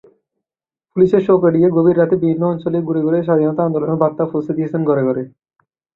পুলিশের চোখ এড়িয়ে গভীর রাতে বিভিন্ন অঞ্চলে ঘুরে ঘুরে স্বাধীনতা আন্দোলনের বার্তা পৌঁছে দিয়েছেন ঘরে ঘরে।